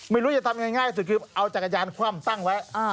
ไม่รู้จะทำยังไงง่ายสุดคือเอาจักรยานคว่ำตั้งไว้